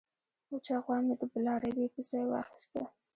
وچه غوا مې د بلاربې په ځای واخیسته.